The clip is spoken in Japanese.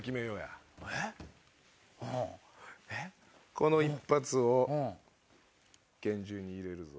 この一発を拳銃に入れるぞ。